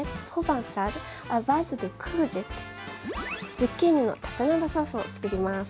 「ズッキーニのタプナードソース」をつくります。